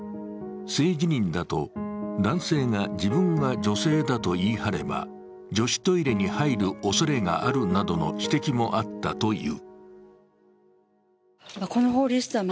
性自認だと、男性が自分が女性だと言い張れば女子トイレに入るおそれがあるなどの指摘もあったという。